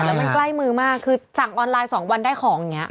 แล้วมันใกล้มือมากคือสั่งออนไลน์๒วันได้ของอย่างนี้